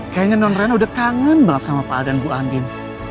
kayaknya non rena udah kangen banget sama pak adan bu andien